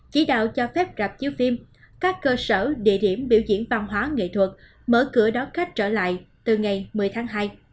chỉ đạo cho phép rạp chiếu phim các cơ sở địa điểm biểu diễn văn hóa nghệ thuật mở cửa đón khách trở lại từ ngày một mươi tháng hai